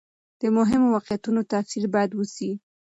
د مهمو واقعیتونو تفصیل باید وسي.